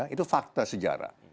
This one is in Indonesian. itu fakta sejarah